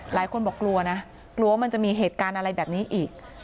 หลายคนบอกกลัวนะกลัวว่ามันจะมีเหตุการณ์อะไรแบบนี้อีก